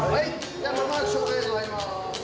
じゃあまもなく紹介映像入ります。